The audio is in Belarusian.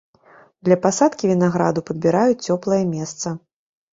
Для пасадкі вінаграду падбіраюць цёплае месца.